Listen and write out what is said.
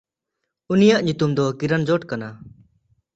ᱩᱱᱤᱭᱟᱜ ᱧᱩᱛᱩᱢ ᱫᱚ ᱠᱤᱨᱟᱱᱡᱚᱴ ᱠᱟᱱᱟ᱾